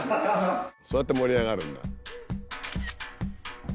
そうやって盛り上がるんだ。